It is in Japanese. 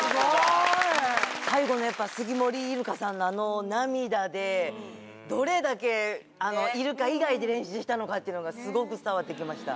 最後のやっぱ杉森イルカさんのあの涙でどれだけイルカ以外で練習したのかっていうのがスゴく伝わってきました。